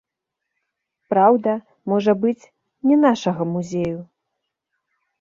Праўда, можа быць, не нашага музею.